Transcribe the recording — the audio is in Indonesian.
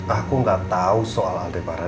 aku gak tau soal aldebaran